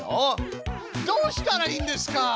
どうしたらいいんですか！？